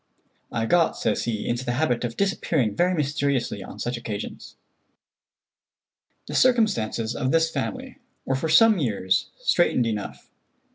"I got," says he, "into the habit of disappearing very mysteriously on such occasions." The circumstances of this family were for some years straitened enough.